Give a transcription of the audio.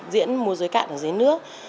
diễn múa dưới cạn ở dưới nước